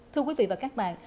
thưa quý vị và các bạn